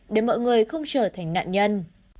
để mọi người không trở thành nạn nhân